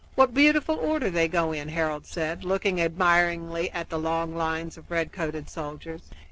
"What beautiful order they go in!" Harold said, looking admiringly at the long lines of red coated soldiers.